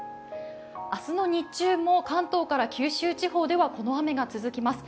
明日の日中も関東から九州地方でこの雨は続きます。